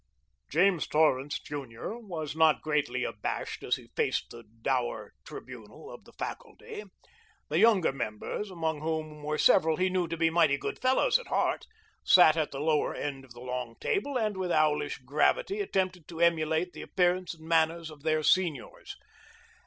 James Torrance, Jr., was not greatly abashed as he faced the dour tribunal of the faculty. The younger members, among whom were several he knew to be mighty good fellows at heart, sat at the lower end of the long table, and with owlish gravity attempted to emulate the appearance and manners of their seniors.